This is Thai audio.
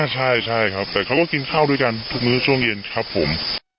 ใช่ครับแต่เขาก็กินข้าวด้วยกันทุกมื้อช่วงเย็นครับผม